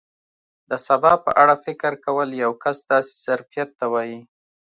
د سبا په اړه فکر کول یو کس داسې ظرفیت ته وایي.